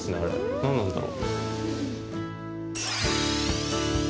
何なんだろう。